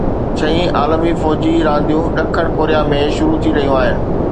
ڇهين عالمي فوجي رانديون ڏکڻ ڪوريا ۾ شروع ٿي رهيون آهن